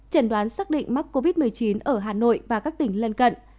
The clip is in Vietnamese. chẩn đoán xác định mắc covid một mươi chín ở hà nội và các tỉnh lân cận